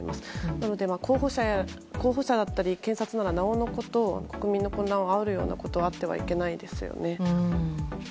なので、候補者だったり検察ならなおのこと国民の混乱をあおるようなことはあってはいけないですよね。